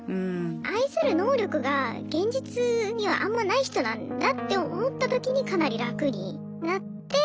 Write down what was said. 愛する能力が現実にはあんまない人なんだって思ったときにかなり楽になって。